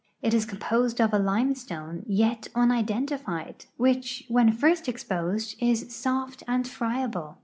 It is composed of a lime.stone yet unidentified, which, when first exposed, is soft and friable.